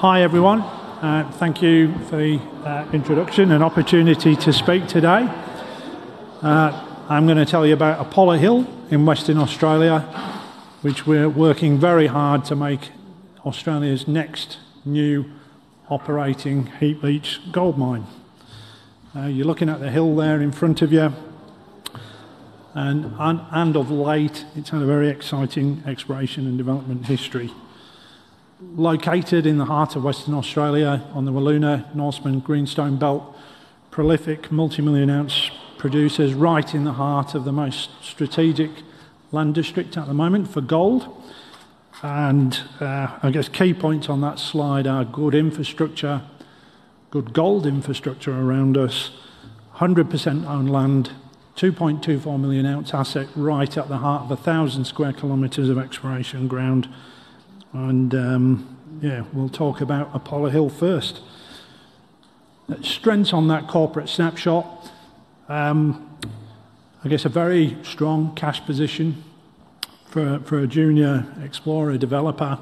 Hi everyone, thank you for the introduction and opportunity to speak today. I'm going to tell you about Apollo Hill in Western Australia, which we're working very hard to make Australia's next new operating heap leach gold mine. You're looking at the hill there in front of you, and of late it's had a very exciting exploration and development history. Located in the heart of Western Australia on the Wiluna-Norseman Greenstone Belt, prolific multi-million ounce producers right in the heart of the most strategic land district at the moment for gold. I guess key points on that slide are good infrastructure, good gold infrastructure around us, 100% owned land, 2.24 million ounce asset right at the heart of 1,000 sq km of exploration ground. Yeah, we'll talk about Apollo Hill first. Strengths on that corporate snapshot, I guess a very strong cash position for a junior explorer developer,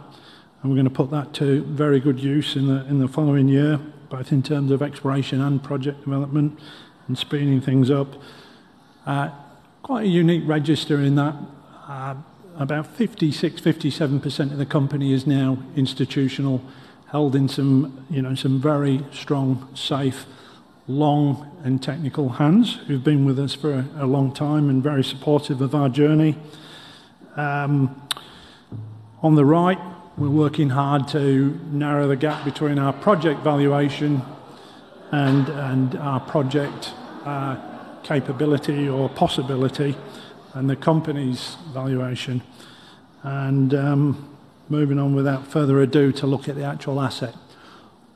and we're going to put that to very good use in the following year, both in terms of exploration and project development and speeding things up. Quite a unique register in that about 56%-57% of the company is now institutional, held in some very strong, safe, long and technical hands who've been with us for a long time and very supportive of our journey. On the right, we're working hard to narrow the gap between our project valuation and our project capability or possibility and the company's valuation. Moving on without further ado to look at the actual asset.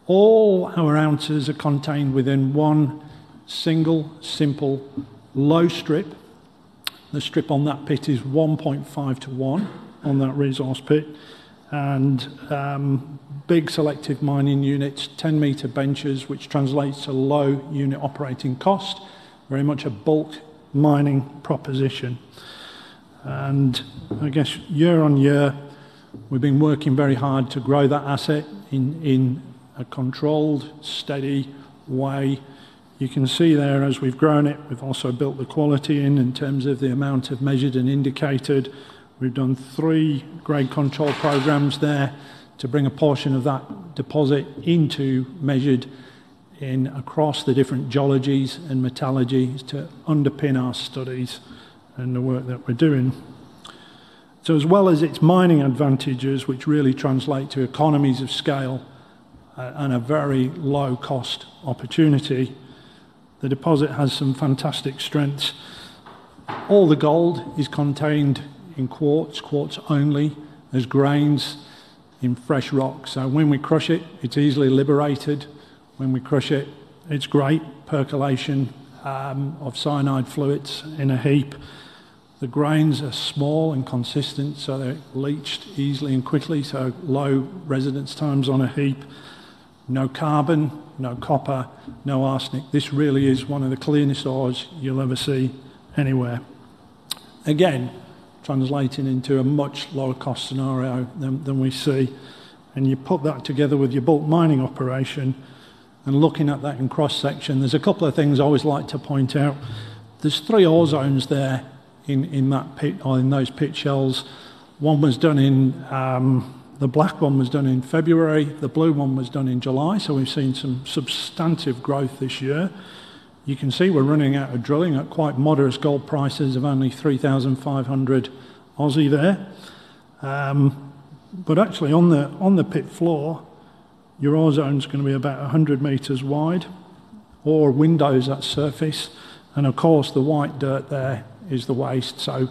All our ounces are contained within one single simple low strip. The strip on that pit is 1.5 to 1 on that resource pit, and big selective mining units, 10 meter benches, which translates to low unit operating cost, very much a bulk mining proposition. I guess year on year we've been working very hard to grow that asset in a controlled, steady way. You can see there as we've grown it, we've also built the quality in in terms of the amount of measured and indicated. We've done three grade control programs there to bring a portion of that deposit into measured across the different geologies and metallurgies to underpin our studies and the work that we're doing. As well as its mining advantages, which really translate to economies of scale and a very low cost opportunity, the deposit has some fantastic strengths. All the gold is contained in quartz, quartz only, as grains in fresh rock. When we crush it, it's easily liberated. When we crush it, it's great percolation of cyanide fluids in a heap. The grains are small and consistent, so they're leached easily and quickly, so low residence times on a heap, no carbon, no copper, no arsenic. This really is one of the cleanest ores you'll ever see anywhere. Again, translating into a much lower cost scenario than we see. You put that together with your bulk mining operation and looking at that in cross-section, there's a couple of things I always like to point out. There's three ore zones there in that pit or in those pit shells. One was done in the black, one was done in February, the blue one was done in July, so we've seen some substantive growth this year. You can see we're running out of drilling at quite moderate gold prices of only 3,500 there. Actually, on the pit floor, your ore zone's going to be about 100 meters wide or windows at surface. Of course, the white dirt there is the waste. I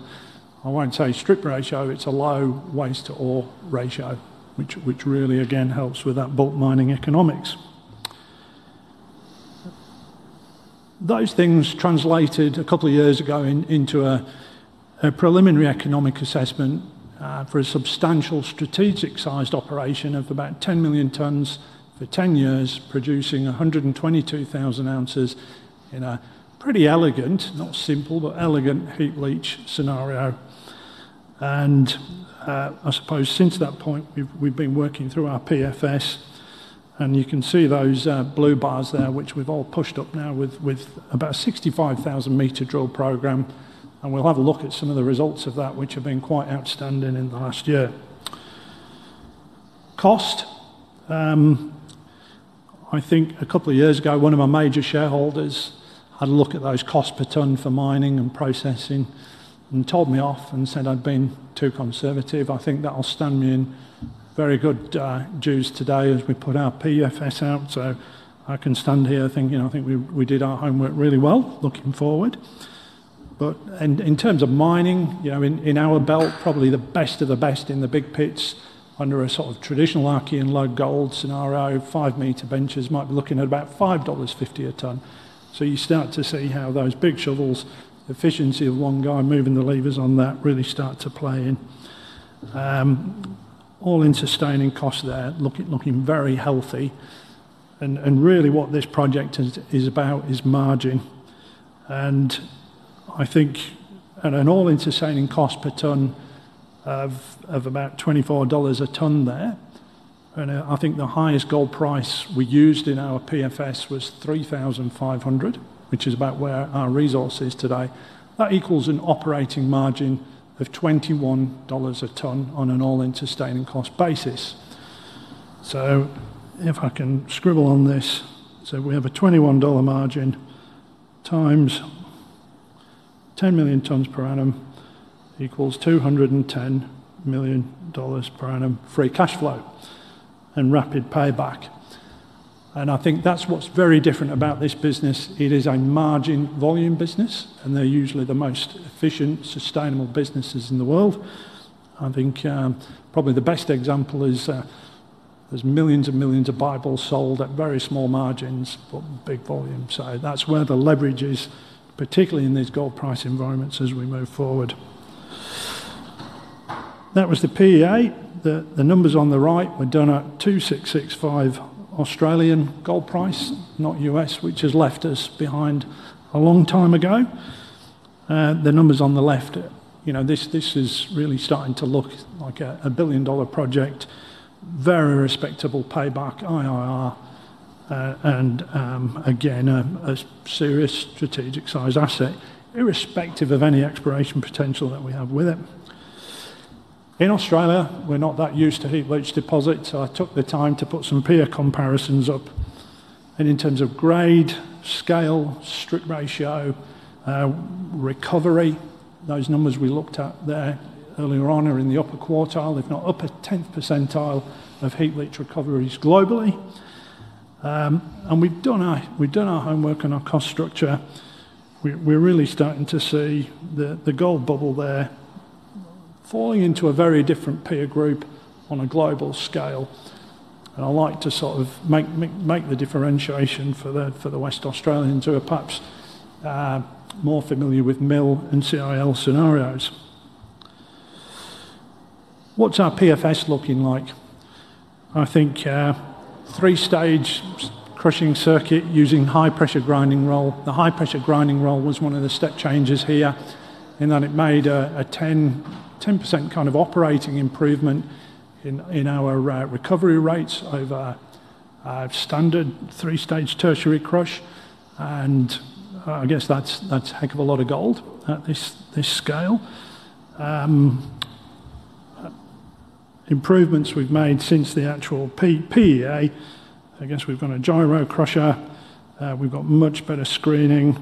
won't say strip ratio, it's a low waste to ore ratio, which really again helps with that bulk mining economics. Those things translated a couple of years ago into a preliminary economic assessment for a substantial strategic sized operation of about 10 million tons for 10 years, producing 122,000 ounces in a pretty elegant, not simple, but elegant heap leach scenario. I suppose since that point we've been working through our PFS, and you can see those blue bars there, which we've all pushed up now with about a 65,000 meter drill program. We will have a look at some of the results of that, which have been quite outstanding in the last year. Cost, I think a couple of years ago one of my major shareholders had a look at those cost per ton for mining and processing and told me off and said I had been too conservative. I think that will stand me in very good juice today as we put our PFS out. I can stand here thinking I think we did our homework really well looking forward. In terms of mining, you know, in our belt, probably the best of the best in the big pits under a sort of traditional Archean low gold scenario, 5 meter benches might be looking at about 5.50 dollars a ton. You start to see how those big shovels, efficiency of one guy moving the levers on that, really start to play in. All in sustaining costs there, looking very healthy. Really what this project is about is margin. I think at an all in sustaining cost per ton of about 24 dollars a ton there, and I think the highest gold price we used in our PFS was 3,500, which is about where our resource is today. That equals an operating margin of 21 dollars a ton on an all in sustaining cost basis. If I can scribble on this, we have an 21 dollar margin times 10 million tons per annum equals 210 million dollars per annum free cash flow and rapid payback. I think that is what is very different about this business. It is a margin volume business, and they're usually the most efficient, sustainable businesses in the world. I think probably the best example is there's millions and millions of Bibles sold at very small margins, but big volume. That is where the leverage is, particularly in these gold price environments as we move forward. That was the PEA. The numbers on the right were done at 2,665 gold price, not USD, which has left us behind a long time ago. The numbers on the left, you know, this is really starting to look like a billion dollar project, very respectable payback IRR, and again a serious strategic sized asset, irrespective of any exploration potential that we have with it. In Australia, we're not that used to heap leach deposits, so I took the time to put some PEA comparisons up. In terms of grade, scale, strip ratio, recovery, those numbers we looked at there earlier on are in the upper quartile, if not upper 10th percentile of heap leach recoveries globally. We have done our homework on our cost structure. We are really starting to see the gold bubble there falling into a very different PEA group on a global scale. I like to sort of make the differentiation for the West Australians who are perhaps more familiar with mill and CIL scenarios. What is our PFS looking like? I think three stage crushing circuit using high pressure grinding roll. The high pressure grinding roll was one of the step changes here in that it made a 10% kind of operating improvement in our recovery rates over standard three stage tertiary crush. I guess that is a heck of a lot of gold at this scale. Improvements we've made since the actual PEA, I guess we've got a gyro crusher, we've got much better screening,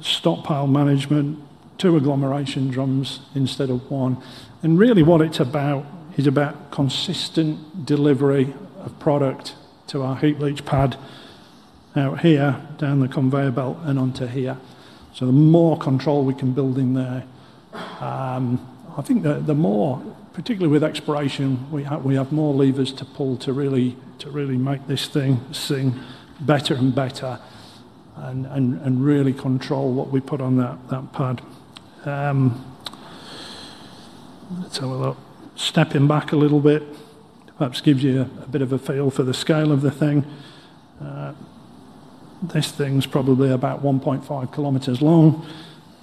stockpile management, two agglomeration drums instead of one. Really what it's about is about consistent delivery of product to our heap leach pad out here down the conveyor belt and onto here. The more control we can build in there, I think the more, particularly with exploration, we have more levers to pull to really make this thing sing better and better and really control what we put on that pad. Stepping back a little bit, perhaps gives you a bit of a feel for the scale of the thing. This thing's probably about 1.5 km long.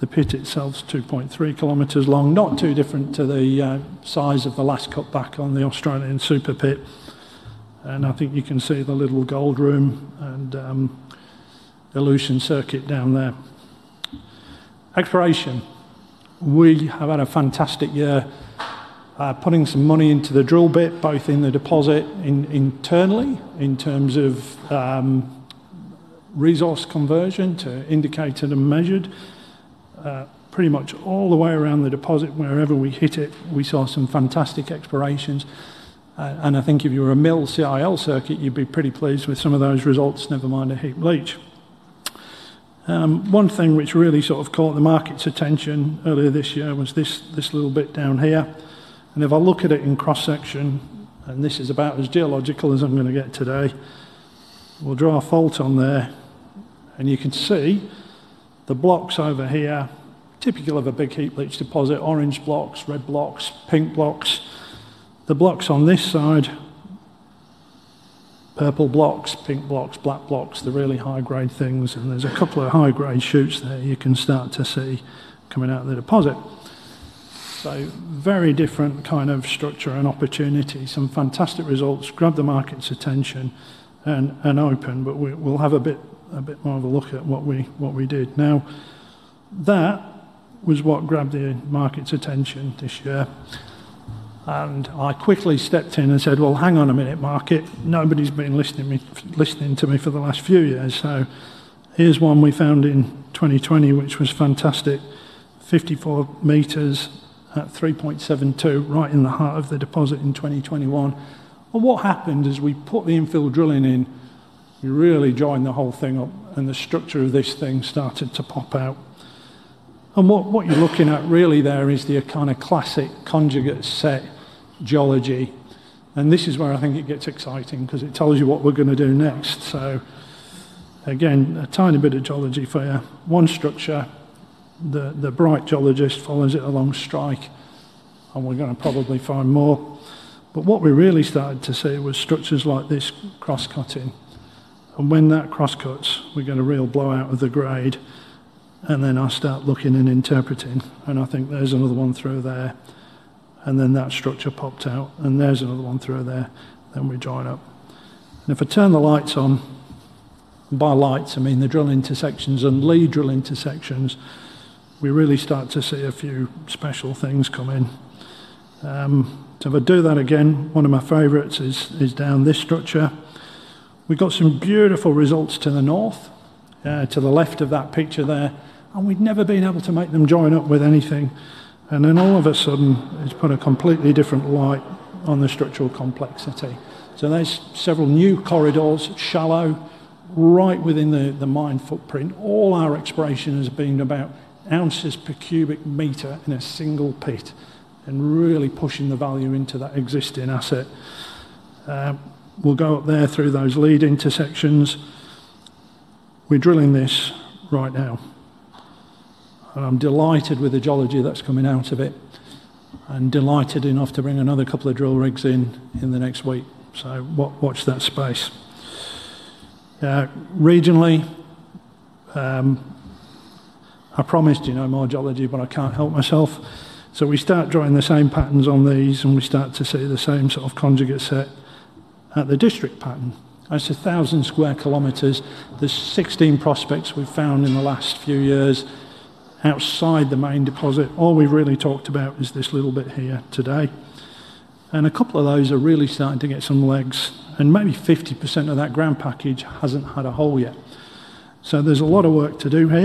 The pit itself's 2.3 km long, not too different to the size of the last cut back on the Australian super pit. I think you can see the little gold room and dilution circuit down there. Exploration, we have had a fantastic year putting some money into the drill bit, both in the deposit internally in terms of resource conversion to indicated and measured, pretty much all the way around the deposit. Wherever we hit it, we saw some fantastic explorations. I think if you were a mill CIL circuit, you'd be pretty pleased with some of those results, never mind a heap leach. One thing which really sort of caught the market's attention earlier this year was this little bit down here. If I look at it in cross-section, and this is about as geological as I'm going to get today, we'll draw a fault on there. You can see the blocks over here, typical of a big heap leach deposit, orange blocks, red blocks, pink blocks. The blocks on this side, purple blocks, pink blocks, black blocks, the really high grade things. There are a couple of high grade shoots there you can start to see coming out of the deposit. Very different kind of structure and opportunity, some fantastic results, grabbed the market's attention and open, but we will have a bit more of a look at what we did. That was what grabbed the market's attention this year. I quickly stepped in and said, hang on a minute, market, nobody's been listening to me for the last few years. Here is one we found in 2020, which was fantastic, 54 meters at 3.72, right in the heart of the deposit in 2021. What happened as we put the infill drilling in, we really joined the whole thing up and the structure of this thing started to pop out. What you're looking at really there is the kind of classic conjugate set geology. This is where I think it gets exciting because it tells you what we're going to do next. Again, a tiny bit of geology for you. One structure, the bright geologist follows it along strike, and we're going to probably find more. What we really started to see was structures like this cross-cutting. When that cross-cuts, we get a real blowout of the grade. I start looking and interpreting. I think there's another one through there. That structure popped out. There's another one through there. We join up. If I turn the lights on, by lights, I mean the drill intersections and lead drill intersections, we really start to see a few special things come in. If I do that again, one of my favorites is down this structure. We've got some beautiful results to the north, to the left of that picture there. We'd never been able to make them join up with anything. Then all of a sudden, it's put a completely different light on the structural complexity. There are several new corridors, shallow, right within the mine footprint. All our exploration has been about ounces per cubic meter in a single pit and really pushing the value into that existing asset. We'll go up there through those lead intersections. We're drilling this right now. I'm delighted with the geology that's coming out of it and delighted enough to bring another couple of drill rigs in in the next week. Watch that space. Regionally, I promised you no more geology, but I can't help myself. We start drawing the same patterns on these and we start to see the same sort of conjugate set at the district pattern. That is 1,000 sq km. There are 16 prospects we have found in the last few years outside the main deposit. All we have really talked about is this little bit here today. A couple of those are really starting to get some legs. Maybe 50% of that ground package has not had a hole yet. There is a lot of work to do here.